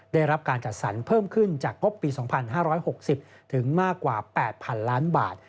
ได้รับการจัดสรรเพิ่มขึ้นจากงบปี๒๕๖๐ถึงมากกว่า๘๐๐๐ล้านบาท